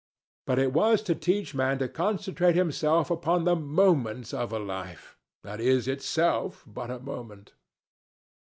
But it was to teach man to concentrate himself upon the moments of a life that is itself but a moment.